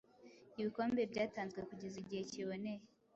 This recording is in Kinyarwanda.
Ibikombebyatanzwekugeza igihe kiboneye